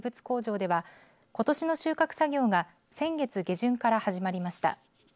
工場ではことしの収穫作業が先月下旬から始まりました。